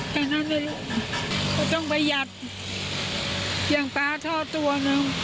แต่ก็ไม่รู้ก็ต้องประยัดยังป๊าทอดตัวนึง